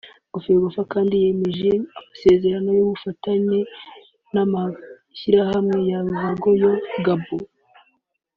Ferwafa kandi yanemeje amasezerano y’ubufatanye n’amashyirahamwe ya ruhago ya Gabon